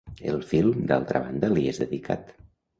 El film d'altra banda, li és dedicat.